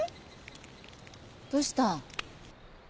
どうした？